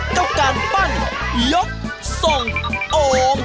กับการปั้นยกส่งโอม